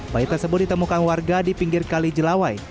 bayi tersebut ditemukan warga di pinggir kali jelawai